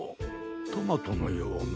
トマトのような。